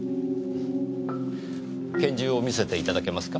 拳銃を見せていただけますか。